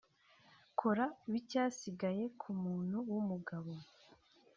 Kora bicyasigaye ku muntu w’umugabo